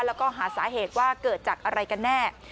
แล้วก็หาสาเหตุว่าเกิดจากอะไรกันแน่